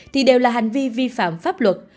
thì đều là hành vi vi phạm pháp luật